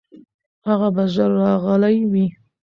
هغه به ژر راغلی وي.